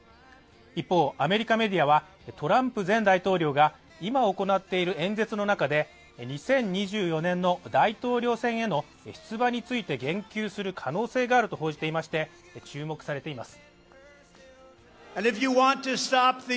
一方アメリカメディアはトランプ前大統領が今行っている演説の中で２０２４年の大統領選への出馬について言及する可能性があると報じていまして注目されています